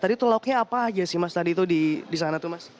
tadi teloknya apa aja sih mas tadi itu di sana tuh mas